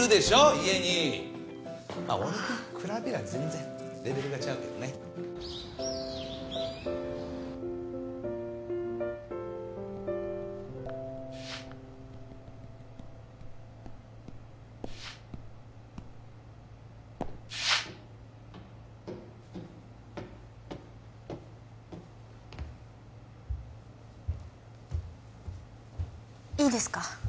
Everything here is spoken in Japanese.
家にまあ俺に比べりゃ全然レベルが違うけどねいいですか？